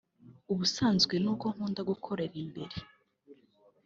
ubusanzwe ni uko nkunda gukorera imbere